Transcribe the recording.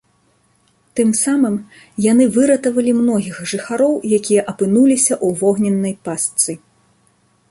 Тым самым яны выратавалі многіх жыхароў, якія апынуліся ў вогненнай пастцы.